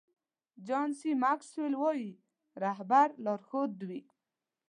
جان سي ماکسویل وایي رهبر لارښود وي.